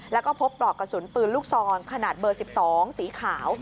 แล้วก็พบปลอกกระสุนปืนลูกซองขนาดเบอร์๑๒สีขาว